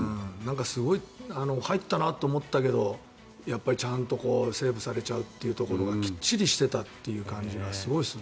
入ったなと思ったけどやっぱりちゃんとセーブされちゃうっていうところがきっちりしていたという感じがすごいするな。